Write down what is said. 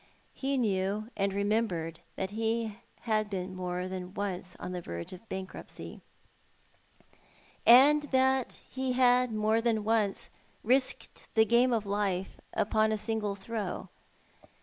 He knew and remembered that he had been more than once on the verge of bankruptcy, and that he had more than once risked the game of life upon a single throw.